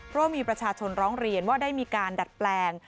เพราะมีประชาชนร้องเรียนว่าได้มีการดัดแปลง